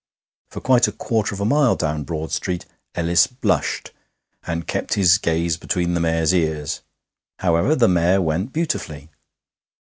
For quite a quarter of a mile down Broad Street Ellis blushed, and kept his gaze between the mare's ears. However, the mare went beautifully.